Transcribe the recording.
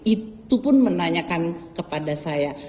itu pun menanyakan kepada saya